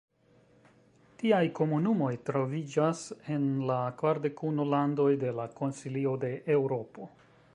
Tiaj komunumoj troviĝas en la kvardek unu landoj de la Konsilio de Eŭropo.